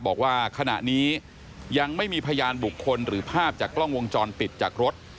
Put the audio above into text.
บอกว่าขณะนี้ยังไม่มีพยานบุคคลหรือภาพจากกล้องวงจรปิดจากรถ